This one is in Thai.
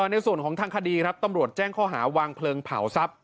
ในส่วนของทางคดีครับตำรวจแจ้งข้อหาวางเพลิงเผาทรัพย